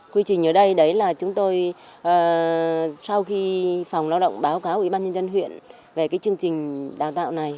quy trình ở đây đấy là chúng tôi sau khi phòng lao động báo cáo ủy ban nhân dân huyện về cái chương trình đào tạo này